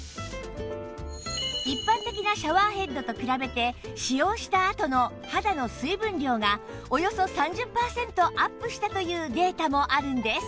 一般的なシャワーヘッドと比べて使用したあとの肌の水分量がおよそ３０パーセントアップしたというデータもあるんです